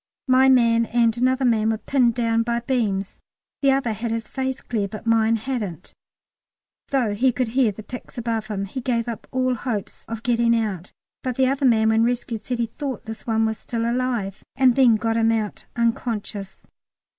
My man and another man were pinned down by beams the other had his face clear, but mine hadn't, though he could hear the picks above him. He gave up all hopes of getting out, but the other man when rescued said he thought this one was still alive, and then got him out unconscious.